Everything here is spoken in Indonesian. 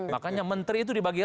makanya menteri itu dibagikan